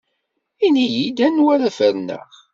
Ini-iyi-d anwa ara ferneɣ.